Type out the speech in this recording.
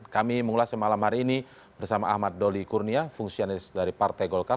kami mengulasnya malam hari ini bersama ahmad doli kurnia fungsionis dari partai golkar